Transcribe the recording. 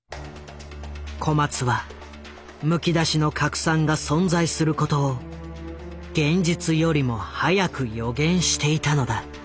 小松は「むきだしの核酸」が存在することを現実よりも早く予言していたのだ。